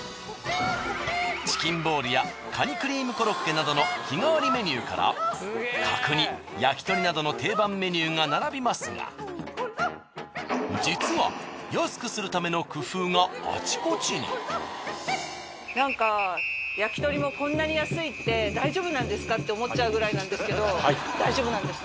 チキンボールやカニクリームコロッケなどの日替わりメニューから角煮焼き鳥などの定番メニューが並びますが実は安くするための工夫があちこちに。って思っちゃうくらいなんですけど大丈夫なんですか？